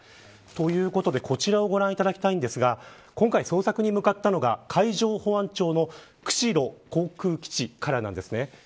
ということで、こちらをご覧いただきたいんですが今回、捜索に向かったのが海上保安庁の釧路航空基地なんです。